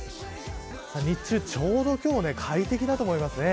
日中、ちょうど今日は快適だと思います。